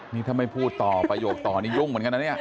นี่ถ้าไม่พูดต่อประโยคต่อนี่ยุ่งเหมือนกันนะเนี่ย